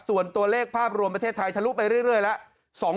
ส่วนตัวเลขภาพรวมประเทศไทยทะลุไปเรื่อยแล้ว